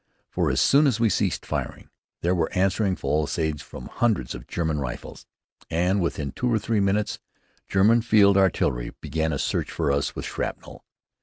For as soon as we ceased firing, there were answering fusillades from hundreds of German rifles. And within two or three minutes, German field artillery began a search for us with shrapnel.